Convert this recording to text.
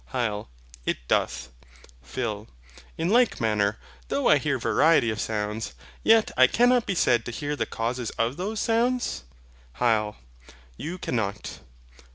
HYL. It doth. PHIL. In like manner, though I hear variety of sounds, yet I cannot be said to hear the causes of those sounds? HYL. You cannot.